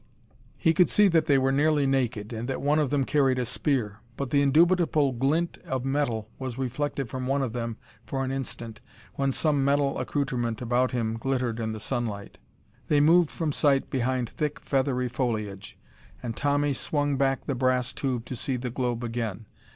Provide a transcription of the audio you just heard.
He could see that they were nearly naked, and that one of them carried a spear. But the indubitable glint of metal was reflected from one of them for an instant, when some metal accoutrement about him glittered in the sunlight. They moved from sight behind thick, feathery foliage, and Tommy swung back the brass tube to see the globe again.